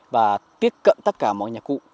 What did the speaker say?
và tiếp cận tất cả mọi nhà cụ